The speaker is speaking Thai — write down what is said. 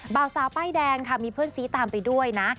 บ่าวสาวป้ายแดงค่ะมีเพื่อนซีตามไปด้วยนะ